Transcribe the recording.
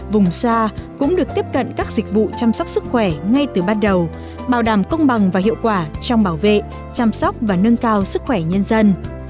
vùng xa cũng được tiếp cận các dịch vụ chăm sóc sức khỏe ngay từ ban đầu bảo đảm công bằng và hiệu quả trong bảo vệ chăm sóc và nâng cao sức khỏe nhân dân